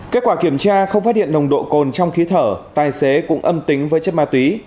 kết quả kiểm tra không phát hiện nồng độ cồn trong khí thở tài xế cũng âm tính với chất ma túy